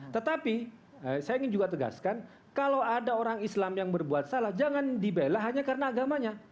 tetapi saya ingin juga tegaskan kalau ada orang islam yang berbuat salah jangan dibela hanya karena agamanya